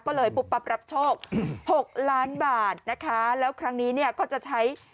ก็เลยปุ๊บปั๊บรับโชคหกล้านบาทนะคะแล้วครั้งนี้เนี่ยก็จะใช้